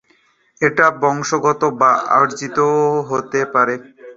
এটা বংশগত বা অর্জিত হতে পারে।